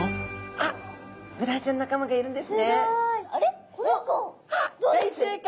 あっ大正解！